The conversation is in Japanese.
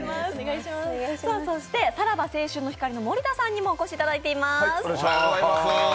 そしてさらば青春の光の森田さんにもお越しいただいています。